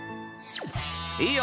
いいよ！